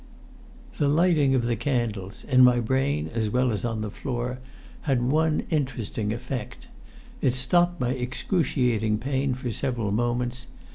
The lighting of the candles in my brain as well as on the floor had one interesting effect. It stopped my excruciating pain for several moments.